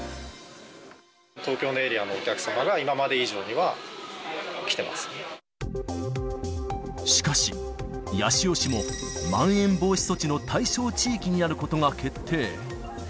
東京のエリアのお客様が、しかし、八潮市もまん延防止措置の対象地域になることが決定。